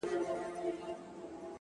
نوك د زنده گۍ مو لكه ستوري چي سركښه سي-